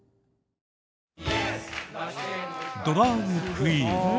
ドラァグクイーン。